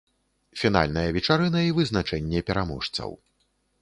Фінальная вечарына і вызначэнне пераможцаў.